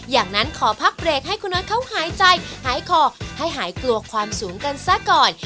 อย่างนั้นขอพักเบรกให้คุณน็อตเขาหายใจหายคอให้หายกลัวความสูงกันซะก่อน